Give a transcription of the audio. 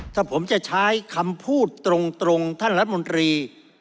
ถ้าผมจะใช้คำพูดตรงท่านรัฐมนตรี